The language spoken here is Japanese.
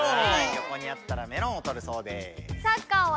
よこにあったらメロンをとるそうです。